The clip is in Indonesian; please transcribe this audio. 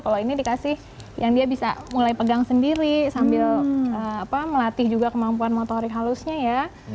kalau ini dikasih yang dia bisa mulai pegang sendiri sambil melatih juga kemampuan motorik halusnya ya